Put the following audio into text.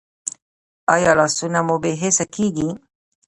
ایا لاسونه مو بې حسه کیږي؟